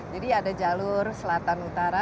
jadi ada jalur selatan utara